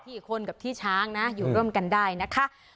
อีกคนกับที่ช้างนะอยู่ร่วมกันได้นะคะ